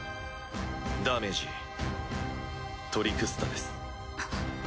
ダメージトリクスタです。